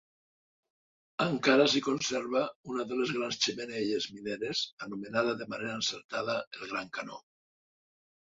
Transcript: Encara s'hi conserva una de les grans xemeneies mineres, anomenada de manera encertada "el gran canó".